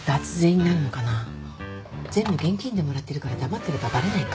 全部現金でもらってるから黙ってればバレないか。